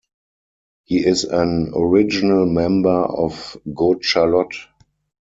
He is an original member of Good Charlotte.